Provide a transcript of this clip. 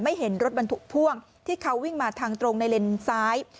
เห็นรถบรรทุกพ่วงที่เขาวิ่งมาทางตรงในเลนซ้าย